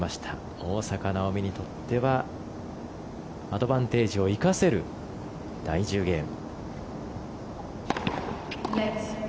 大坂なおみにとってはアドバンテージを生かせる第１０ゲーム。